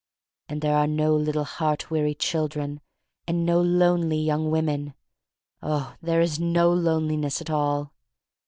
And there are no little heart weary children, and no lonely young women — oh, there is no loneliness at all!"